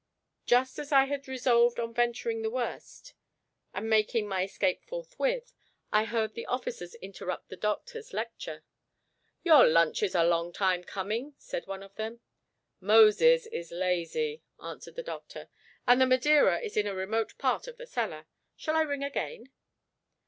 Just as I had resolved on venturing the worst, and making my escape forthwith, I heard the officers interrupt the doctor's lecture. "Your lunch is a long time coming," said one of them. "Moses is lazy," answered the doctor; "and the Madeira is in a remote part of the cellar. Shall I ring again?"